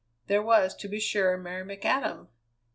There was, to be sure, Mary McAdam!